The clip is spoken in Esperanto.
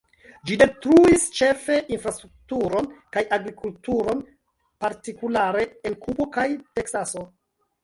Ĝi detruis ĉefe infrastrukturon kaj agrikulturon, partikulare en Kubo kaj Teksaso.